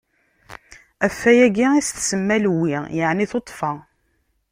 Ɣef wayagi i s-tsemma Lewwi, yeɛni tuṭṭfa.